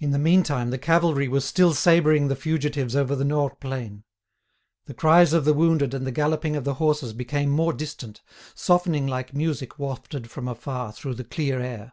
In the meantime, the cavalry were still sabring the fugitives over the Nores plain; the cries of the wounded and the galloping of the horses became more distant, softening like music wafted from afar through the clear air.